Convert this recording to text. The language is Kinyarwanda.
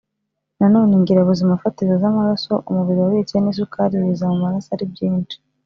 Nanone ingirabuzimafatizo z amaraso umubiri wabitse n isukari biza mu maraso ari byinshi